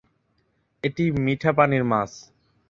এটি মিঠা পানির মাছ।